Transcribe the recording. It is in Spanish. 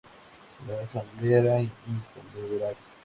La Asamblea era unicameral.